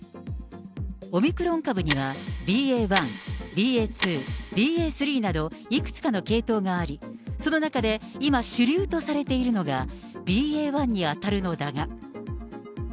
オミクロン株には、ＢＡ１、ＢＡ２、ＢＡ３など、いくつかの系統があり、その中で今主流とされているのがＢＡ１に当たるのだが。